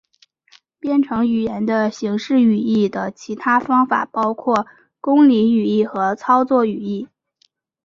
编程语言的形式语义的其他方法包括公理语义和操作语义。